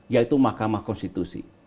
yaitu mahkamah konstitusi